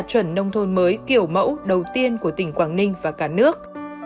xã đạt chuẩn nông thôn mới kiểu mẫu đầu tiên của tỉnh quảng ninh và cả nước